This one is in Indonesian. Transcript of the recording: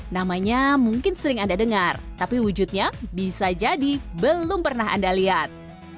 namanya mungkin sering anda dengar tapi wujudnya bisa jadi belum pernah anda lihat